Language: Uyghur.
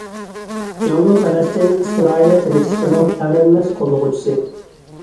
جۇڭگو پەلەستىن ئىسرائىلىيە تىنچلىقىنىڭ تەۋرەنمەس قوللىغۇچىسى.